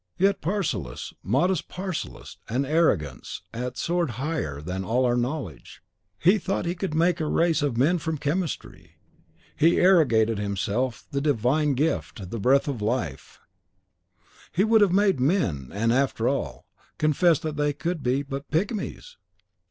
Yet Paracelsus modest Paracelsus had an arrogance that soared higher than all our knowledge. Ho, ho! he thought he could make a race of men from chemistry; he arrogated to himself the Divine gift, the breath of life. (Paracelsus, 'De Nat. Rer.,' lib. i.) "He would have made men, and, after all, confessed that they could be but pygmies!